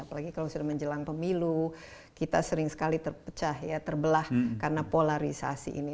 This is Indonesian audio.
apalagi kalau sudah menjelang pemilu kita sering sekali terpecah ya terbelah karena polarisasi ini